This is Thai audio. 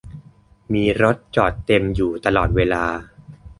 มีรถจอดเต็มอยู่ตลอดเวลา